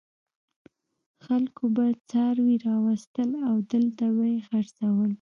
خلکو به څاروي راوستل او دلته به یې خرڅول.